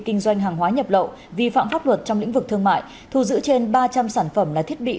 kinh doanh hàng hóa nhập lậu vi phạm pháp luật trong lĩnh vực thương mại thu giữ trên ba trăm linh sản phẩm là thiết bị